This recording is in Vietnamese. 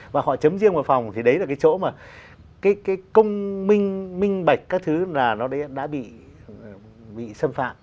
và họ chấm riêng vào phòng thì đấy là cái chỗ mà cái công minh minh bạch các thứ là nó đã bị xâm phạm